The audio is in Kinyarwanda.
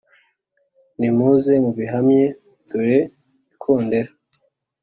nimuze mubihamye; dore ikondera